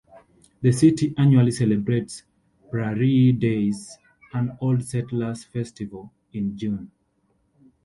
The city annually celebrates Prairie Days, an "old settler's" festival, in June.